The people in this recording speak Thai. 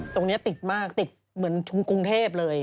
ตรงนี้ติดมากติดเหมือนกรุงเทพเลย